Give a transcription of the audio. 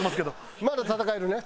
まだ戦えるね？